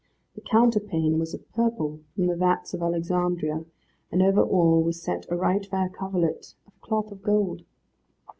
The counterpane was of purple from the vats of Alexandria, and over all was set a right fair coverlet of cloth of gold.